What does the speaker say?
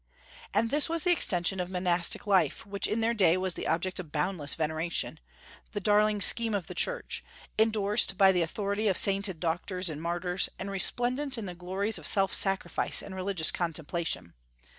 And this was the extension of monastic life, which in their day was the object of boundless veneration, the darling scheme of the Church, indorsed by the authority of sainted doctors and martyrs, and resplendent in the glories of self sacrifice and religious contemplation.